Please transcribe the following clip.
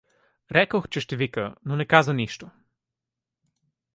Рекох, че ще вика, но не каза нищо.